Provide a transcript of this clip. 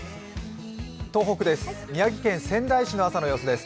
東北です。